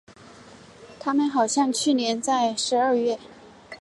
他们好像去年十二月在杭州结婚了。